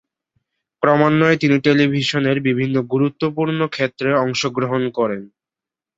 ক্রমান্বয়ে তিনি টেলিভিশনের বিভিন্ন গুরুত্বপূর্ণ ক্ষেত্রে অংশগ্রহণ করেন।